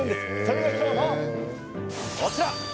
それが今日のこちら！